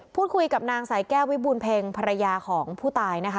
พูดคุยกับนางสายแก้ววิบูรเพ็งภรรยาของผู้ตายนะคะ